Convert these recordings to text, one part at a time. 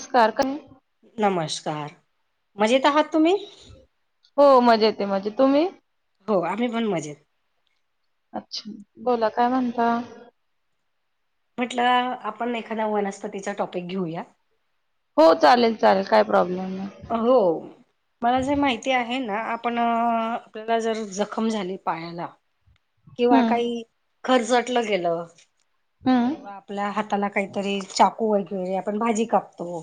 नकार का नमस्कार म्हजे तर ह हो मजा येते मजेत तुम्ही हो आम्ही पण मजेत अच्छा बोला काय म्हणता. म्हटलं आपण एखादा वनस्पतीचा टॉपिक घेऊया. हो चालेल चालेल काय प्रॉब्लेम नाही. हो मला जे माहिती आहे. ना आपण आपल्याला जर जखम झाली पायाला किंवा हम्म काही खर्चटलं गेलं हम्म किंवा आपल्या हाताला काहीतरी चाकू वगैरे आपण भाजी कापतो.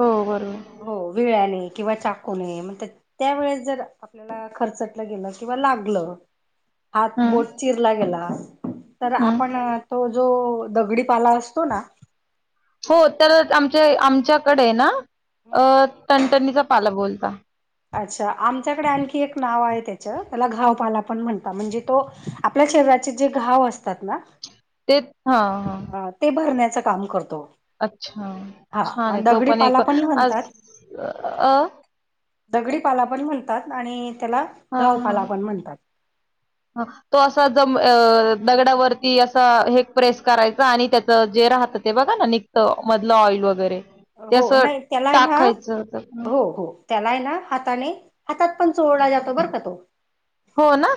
हो बरोबर हो वेळने किंवा चाकून म्हण त्या वेळेस जर आपल्याला खर्चटलं गेलं किंवा लागलं. हात, हम्म बोट चिरला गेला तर आपण हम्म तो दगडीपाला असतोना हो तर आमच्या आमच्याकडे ना अ टनटणीचा पाला बोल अच्छा आमच्याकडे आणखी एक नाव आहेत. त्या त्याला घावपाला पण म्हण म्हणजे तो आपल्या शरीराचे जे घाव असतात ना ते हा हा ह ते भरण्याच काम करतो अच्छा हा छान आहे तो दगडी पण पाला एक आज म्हणतात अ दगडीपाला पण म्हणतात आणि त्याला हा हा घावपाला पण म्हणतात ह तो असा दगडावरती असं हे प्रेस करायचं आणि त्याचं जे राहतं ते बघा ना नि घत मधलं ऑइल वगैरे ते हो नाही त्याला आहे ना टाकायच हो हो त्याला आहे ना हाताने हातात पण चोळला जातो बर का तो हो ना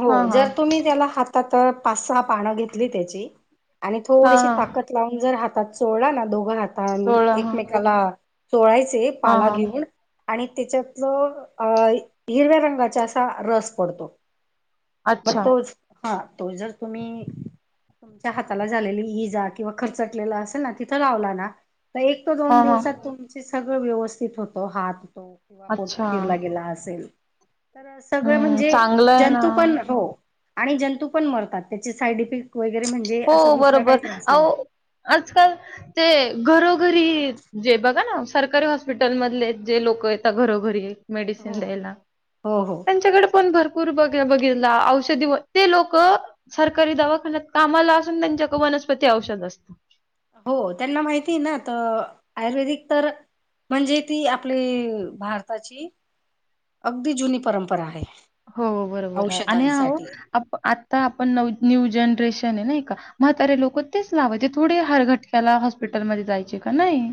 हो हा हा जर तुम्ही त्याला हात आ पाच स पानं घेतली त्याची आणि हा थोडीशी हा ताकद लावून जर हातात चोडला ना दोघं हात सोळा हा एकमेकाला चोळायचे हा पाला हा घेऊन आणि त्याच्यातलं अ हिरव्या रंगाचा असा रस पडतो. म अच्छा तो हा तो जर तुम्ही तुमच्या हाताला झालेली इजा किंवा खर्चटलेला असेल ना तिथं लावला ना, एक तो दोन हा हा दिवसात तुमचे सगळं व्यवस्थित होतो हात तो किंवा बोट अच्छा चिरला गेला असेल. तर सगळ हम्म म्हणजे चांगलं आहे ना जंतू पण हो आणि जंतू पण मरतात त्याचे साईड इफेक्ट वगैरे म्हणजे हो असा दुसरा काही बरोबर त्रास नाही. आजकाल ते घरो घरी जे बघा ना सरकारी हॉस्पिटल मधले जे लोक य घरोघरी हो. मेडिसिन द्यायला हो हो त्यांच्याकडे पण भरपूर पुर बघितला, औषधी ते लोक सरकारी दवाखात कामाला असून त्यांच्याक वनस्पती औषध असतं. हो त्यांना माहिती ना, तर आयुर्वेदिक तर म्हणजे ती आपली भारताची अगदी जुनी परंपरा आहे. हो बरोबर आणि औषधांसाठी आ आपण न्य जनरेशन नाही का म्हातारे लोक तेच लावायचे थोडे हर घटक्याला हॉस्पिटलमध्ये जायचे का नाही.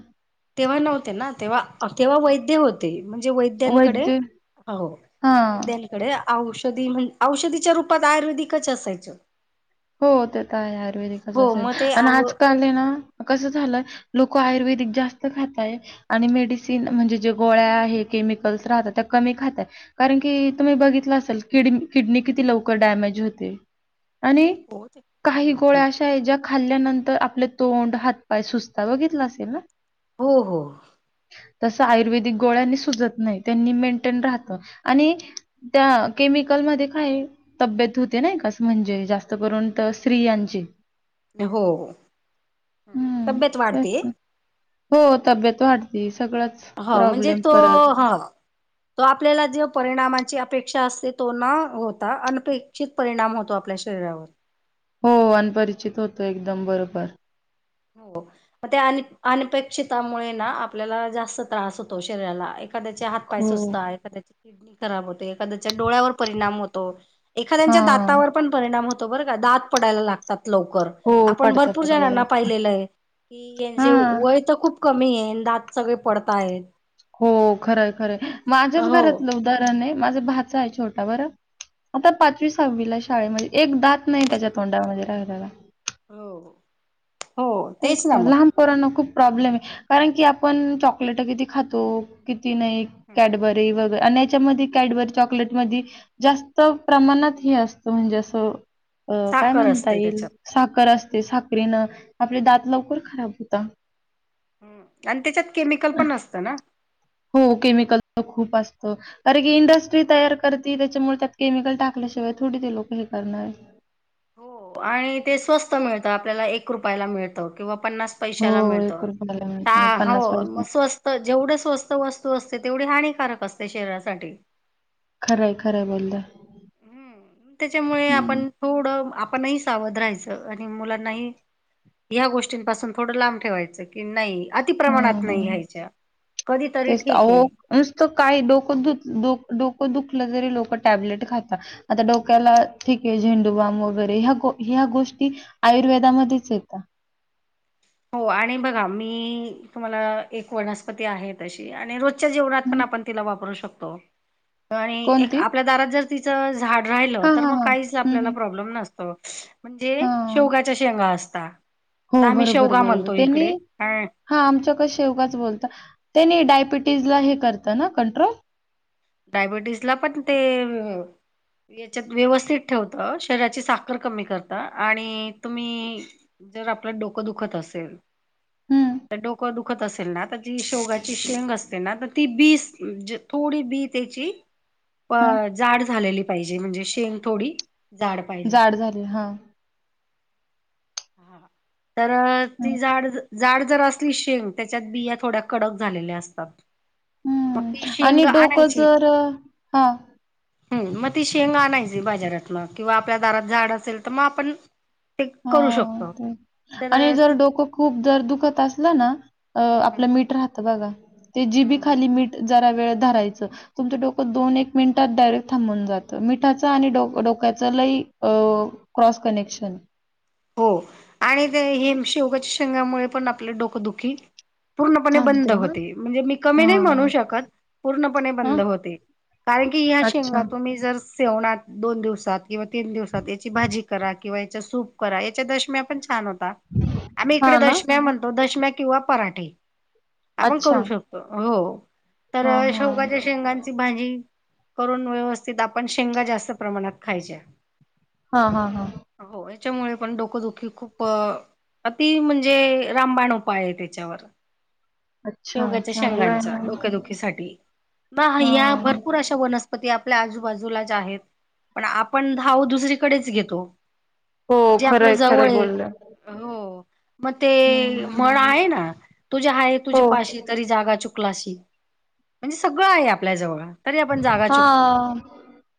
तेव्हा नव्हते ना तेव्हा तेव्हा वैद्य होते. म्हणजे वैद्यांकडे वैद्य हो हां. वैद्यांकडे औषधी म्हणजे औषधीच्या रूपात आयुर्वेदिकच असायचं. हो ते तर आहे आयुर्वेदिकच हो असेल मग ते आणि आव आजकाल आहे ना, कस झालंय लोक आयुर्वेदिक जास्त खातय आणि मेडिसिन म्हणजे जे गोळ्या आहे केमिकल्स राहतात त्या कमी खातय कारण की तुम्ही बघितलं असाल, कड किडनी किती लवकर डॅमेज होते. आणि हो काही गोळ्या अशा आहे ज्या खाल्ल्यानंतर आपले तोंड हातपाय सुस्ता बघितला असेल ना हो हो तस आयुर्वेदिक गोळ्यांनी सुजत नाही त्यांनी मेंटेन राहत आणि त्या केमिकल मध्ये काय तब्येत होते ना कस म्हणजे जास्त करून तर स्तियांची हो हम्म तब्येत तेच वाढते. ना. हो तब्यत हो म्हणजे तो ह तो आपल्याला जव परिणामची अपेक्षा अस तो ना होता अनपेक्षित परिणाम होतो आपल्या शरीरावर. हो अनपरिचित होतो, एकदम बरोबर. हो मग त्या अनपेक्षतामुळे ना आपल्याला जास्त त्रास होतो शरीराला एखाद्याचे हात पाय हो, सुसत, एखाद्याची किडनी खराब होते, एखाद्याच्या डोळ्यावर परिणाम होतो. एखाद्याच्या दातावर हां. पण परिणाम होतो बरं का दात पडायला लागतात लवकर हो, आपण पडता, भरपूर पडता जणांना... दाट. पाहिलेलं आहे की यांचे हां. वय तर खूप कमी आहे दात सगळे पडताय. हो खरंय खरं माझ्याच हो घरातलं उदाहरण आहे माझं भाच आहे छोटा बरं... आता पाचवी सहावीला शाळेमध्ये एक दात नाही त्याच्या तोंडामध्ये राहल्याला... हो.. हो तेच ना त मग लहान पोरांना खूप प्रॉब्लेम आहे कारण की आपण चॉकलेट किती खातो किती नाही कॅडबरी व... आणि याच्यामध्ये कॅडबरी चॉकलेट म जास्त प्रमाणात हे असतं म्हणजे असं.. अ काय साखर म्हणता असते येईल त्याच्यात साखर असते साखरीनं.. आपले दात लवकर खराब होता... ह् आणि त्याच्यात केमिकल पण असतं ना.. हो.. केमिकल पण खूप असतं कारण इंडस्ट्री तयार करते त्याच्यामुळे त्याच्यात केमिकल टाकल्याशिवाय थोडं.... ते लोक हे करणार.. आणि ते स्वस्त मिळतं आपल्याला एक रुपयाला मिळतं किंवा... पन्नास हो, पैशा मिळत ला मिळत नाही. पैसे. स्वस्त जेवढ स्वस्त वस्त.. असते तेवढी हानिकक असते शरीरासाठी... खरंय खरं बोललं... हम्म त्याच्यामुळे आपण थोडं आप... आपणही सावध राहायचं आणि मुलांनाही... ह्या गोष्टींपासून थोडं लांब ठेवायचं की नाही अति प्रमाणात नाही घ्यायच्या... कधीतरी तेस ठीक आहे नसत काही डोक डुक.. डोकं दुखलं तरी लोक टॅबलेट वगैरे खातात. ह गोष्टी आयुर्वेदामध्येच येतात.. हो आणि बघा मी तुम्हाला एक वनस्पती आहे तशी आणि रोजच्या जेवणत हं, पण... आपण तिला वापरू शकतो... आणि एक कोणती? आपल्या दारात जर तिचं झाड राहिलं हां, तर हां, मग हां. काहीच हं, आपल्याला हं. प्रॉब्लेम नसतो. म्हणजे हां. शेवग्याच्या शेंगा असता. हो आता आम्ही बरोबर शेवगा बरोबर म्हणतो त्यांनी इकडे ह हा आमच्याक शेवगाच बोलता. तेनी डायबिटीजला हे करत ना कंट्रोल.. डायबिटीस ला पण ते... याच्यात व्यवस्थित ठेवता शरीराची साखर कमी करता आणि तुम्ही... जर आपल्या डोकं दुखत असेल.. हं, डोकं दुखत असेल ना आ जी शेवगाची शेंग असते ना तर ती बीस थोडी बीस... त्याची हं. जाड झालेली पाहिजे म्हणजे शेंग थोडी.. जाड पाहिजे. जाड झाले हा... तर हं, ती जाड जाड... जर असली शेंग त्याच्यात बिया थोड्या कडक झालेल्या असतात... मग हं. ती आणि शेंग डोकं आणायची... जर अ, हां. हम मग ती शेंग आणायची बाजारात म किंवा आपल्या दारात झाड असेल तर मग आपण... हा करू शकतो ते आणि तर जर ती डोकं खूप जर दुख... दुखत असलं ना हम्म हम्म आपलं मीठ राहतं बघा हम्म हम्म. जिभेखाली मीठ जात. थोडा वेळ धरायचं तुमचं डोकं दोन एक मिनिटात डायरेक्ट थांबून जातो मिठाच्या आणि डोक्याचं.... क्रॉस कनेक्शन... हो आणि ते हे शेवग्याच्या शेंगामुळे पण आपलं डोकं दुखी.. पूर्णपणे बंद थांबते ना? होते म्हणजे मी कमी नाही हां, म्हणू हां. शकत पूर्णपणे हां, बंद होते... कारण की ह्या अच्छा. शेंगा तुम्ही जर.. सेवणात दोन दिवसात किंवा तीन दिवसात याची भाजी करा किंवा याचा सूप... याच्या दशम्या पण छान होता आम्ही इकडे हां ना? दशम्या म्हणतो दशम्या किवा पराठे आपण अच्छा. करू शकतो हो... तर हां, शेवगाच्या हां. शेंगांची भाजी करून व्यवस्थित आपण शेंगा जास्त प्रमाणात खायच्या हा हा हा त्याच्यामुळे पण डोकदुखी खूप अ ति म्हणजे रामबाण उपाय आहे त्याच्यावर अच्छा, शेवग्याच्या चांगलं आहे शेंगांचा ना. डोक्यादुखीसाठी ह हा या हां. भरपूर अशा वनस्पती आपल्या आजूबाजूलाच आहेत पण आपण धाव दुसरीकडेच घेतो हो, जे खरं आपलं आहे, जवळ खरं बोलल्या. हो मग ते हं. मळ आहे ना तुझे हाय हो. तुझ्या पाशी तरी जागा चुकलाशी म्हणजे सगळं आहे आपल्या जवळ तरी आपण जागा चुकतो हां.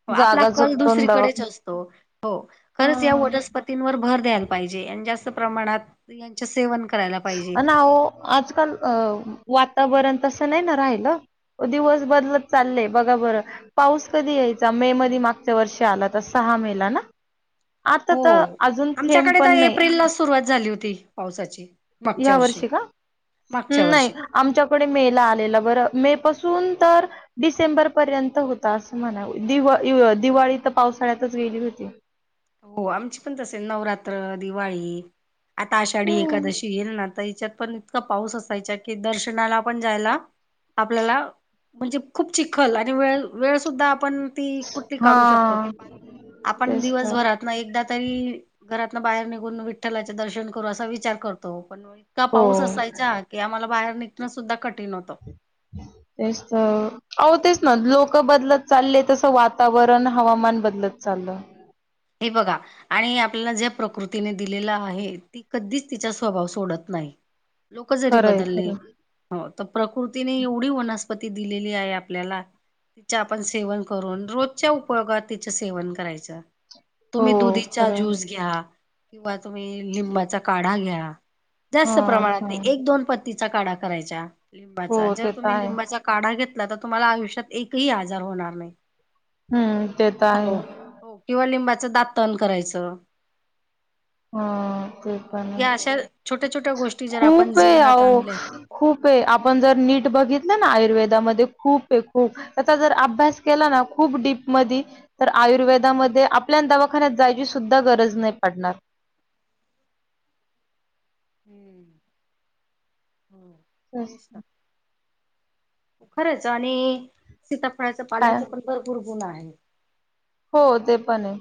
हो आपला जागा कल चुकतून दवाखा दुसरीकडेच असतो हो खरंच या व वर भर द्यायला पाहिजे आणि जास्त प्रमाणात यांच सेवन करायला पाहिजे. आजकाल अ वातावरण तसं नाही ना राहील दिवस बदलत चालले बघा बर पाऊस कधी यायचा मेमध्ये मागच्या वर्ष आला तर सहा मेला ना आता हो तर अजून थेंब आमच्याकडे पण तर नाही एप्रिल लाच सुरुवात झाली होती पावसाची या वर्षी का मागच्या नाही वर्षी आमच्याकडे मे आले बर मे पास जून तर डिसेंबर पर्यंत होता अस म्हणा दिवाळी तर पावसाळ्यातच केली होती हो आमची पण तसे नवरात्र दिवाळी आता आषाढी एकादशी येईल ना हच्यात पण इतका पाऊस असता याच्या कि दर्शनाला पण जायला आपल्याला म्हणजे खूप चिखल आणि वेळ वेळ सुुद्धा आपण कुठली हा काढू शकतो आप तेच तर दिवसभरात ना एकदा तरी घरातन बाहेर निघून विठ्ठलाचे दर्शन करू असा विचार करतो पण इतका पाऊस हो असायचा की आम्हाला बाहेर निघणं सुद्धा कठीण होतं तेच तर हो तेच हम्म. ना लोक बदलत चाललेय तसं वातावरण हवामान बदलत चाललं हे बघा आणि आपल्याला ज्या प्रकृतीने दिलेलं आहे ती कधीच तिचा स्वभाव सोडत नाही लोक जरी खरंय बदलले खरं प्रकृतीने एवढी होनस् पती दिलेली आहे आपल्याला तिचं आपण सेवन करून रोजच्या उपयोगात तिचं सेवन करायचं हो तुम्ही दुधीचा खरं ज्यूस घ्या किंवा तुम्ही लिंबाचा काढा घ्या हा जास्त प्रमाणात हा एक दोन पत् तिचा काढा कराय हो लिंबाचा जर ते तर तुम्ही आहे लिंबाचा काढा घ तर तुम्हाला आयुष्यात एकही आजार होणार नाही हम्म ते तर हो आहे हो किंवा लिंबाचं दातन करायचं हा ते पण या अशा छोट्या छोट्या गोष्टी जर आपण खूप आहे जीवनात आणल्या अहो खूप आहे आपण जर नीट बघितलं ना आयुर्वेदामध्ये खूप आहे खूप त्याचा जर अभ्यास केला ना खूप डीप म तर आयुर्वेदामध्ये आपल्या दवाखान्यात जायची सुद्धा गरज नाही पडणार हम्म अ खरंच आणि सीताफळाच काय पाल्याचं पण भरपूर गुण आहे हो ते पण आहे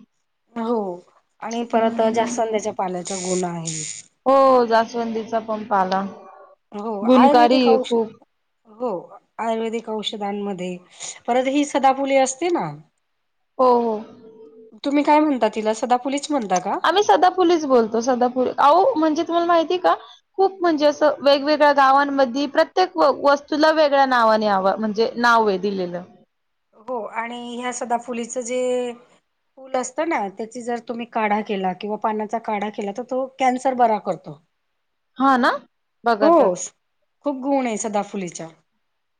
हो आणि परत हम्म. जास्त अंल्याच्या पाल्याचा गोला आहे हो जास्वंदीचा पंप आला हो गुणकारी आयुर्वेदिक आहे खूप औषध हो आयुर्वेदिक औषधांमध्ये परत ही सदा फुले असते ना, हो हो तुम्ही काय म्हणता? तिला सदाफुली आम्ही सदापुलीच बोलतो सदापुली आओ म्हणजे तुम्हाला माहिती का खूप म्हणजे असं वेगवेगळ्या गावांमध्ये प्रत्येक व वस्तूला वेगळ्या नाव म्हणजे नावे दिलेल हो आणि ह्या सदाफुलीच जे फूल असत ना त्याची जर तुम्ही काढा केला किंवा पाण्याचा काढा केला तर तो कॅन्सर बरा करतो हा ना बघा तर हो खूप गुण आहे सदाफुलीचा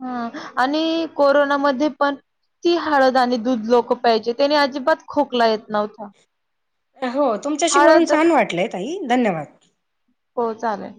हम्म आणि कोरोनामध्ये पण ती हळद आणि दूध लोक पाहिजे त्यानी अजिबात खोकला येत नव्हता हो तुमच्याशी बोलून हळद छन वाटलं ताई धन्यवाद हो चालेल